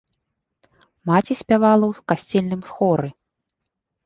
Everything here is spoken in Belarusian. Маці спявала ў касцельным хоры.